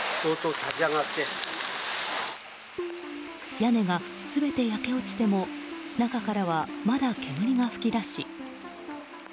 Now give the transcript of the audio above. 屋根が全て焼け落ちても中からは、まだ煙が噴き出し